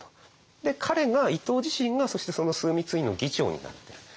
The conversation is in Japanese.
で彼が伊藤自身がそしてその枢密院の議長になっている。